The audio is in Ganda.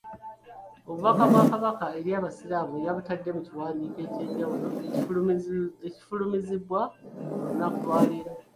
Obubaka bwa Kabaka eri Abasiraamu yabutadde mu kiwandiiko eky’enjawulo ekifulumiziddwa olunaku lwaleero